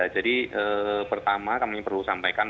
jadi pertama kami perlu sampaikan